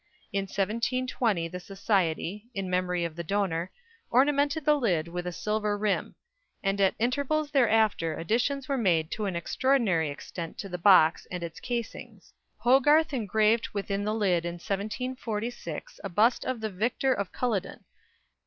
In 1720 the Society, in memory of the donor, ornamented the lid with a silver rim; and at intervals thereafter additions were made to an extraordinary extent to the box and its casings. Hogarth engraved within the lid in 1746 a bust of the victor of Culloden.